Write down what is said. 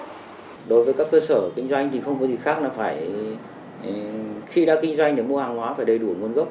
đối với các cơ sở kinh doanh thì không có gì khác là phải khi đã kinh doanh để mua hàng hóa phải đầy đủ nguồn gốc